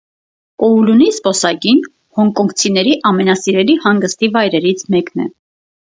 Կոուլունի զբոսայգին հոնկոնգցիների ամենասիրելի հանգստի վայրերից մեկն է։